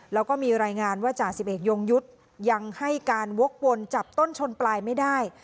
แล้วก็มีรายงานว่าจ่าสิบเอกยงยุทธ์ยังให้การวกวนจับต้นชนปลายไม่ได้